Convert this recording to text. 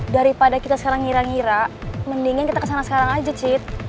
daripada kita sekarang ngira ngira mendingin kita kesana sekarang aja cit